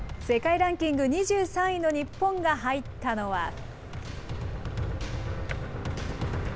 世界ランキング２３位の日本が入ったのは。